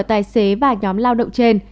tài xế và nhóm lao động trên